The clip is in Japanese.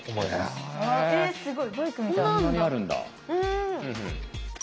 すごい。